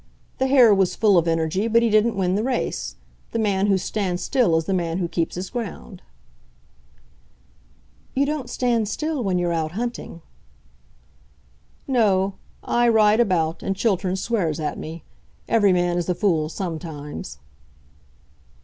The hare was full of energy, but he didn't win the race. The man who stands still is the man who keeps his ground." "You don't stand still when you're out hunting." "No; I ride about, and Chiltern swears at me. Every man is a fool sometimes."